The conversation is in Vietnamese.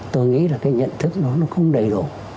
tôi nghĩ là cái nhận thức nó không đầy đủ